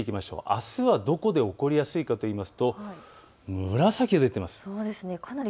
あすはどこで起こりやすいかといいますと紫色で出ています